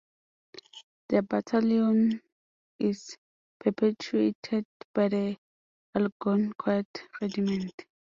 The battalion is perpetuated by The Algonquin Regiment.